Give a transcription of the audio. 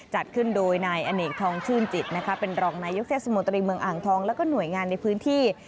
จัดขึ้นโดยนายอเนกทองชื่นจิตนะคะเป็นรองนายกเทศมนตรีเมืองอ่างทองแล้วก็หน่วยงานในพื้นที่